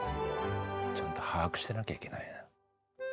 ちゃんと把握してなきゃいけないな。